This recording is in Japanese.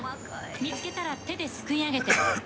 見つけたら、手ですくい上げて。